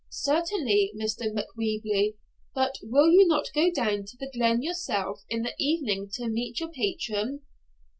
'Certainly, Mr. Macwheeble; but will you not go down to the glen yourself in the evening to meet your patron?'